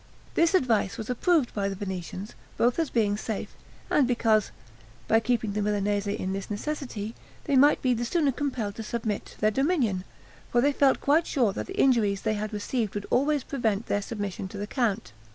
This advice was approved by the Venetians, both as being safe, and because, by keeping the Milanese in this necessity, they might be the sooner compelled to submit to their dominion; for they felt quite sure that the injuries they had received would always prevent their submission to the count.